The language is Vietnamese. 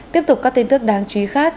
tiếp tục các tin tức đáng chú ý khác